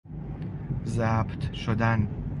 ضبط شدن